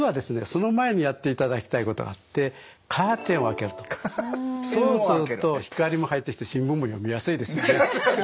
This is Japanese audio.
その前にやっていただきたいことがあってそうすると光も入ってきて新聞も読みやすいですよね。